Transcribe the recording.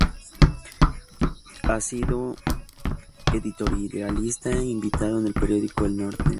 Ha sido Editorialista invitado en el periódico El Norte.